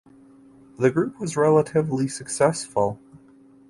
The group was relatively successful.